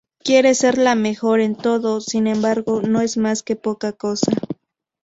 Quiere ser la mejor en todo, sin embargo no es más que poca cosa.